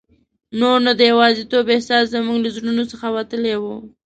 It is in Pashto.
نور نو د یوازیتوب احساس زموږ له زړونو څخه وتلی وو.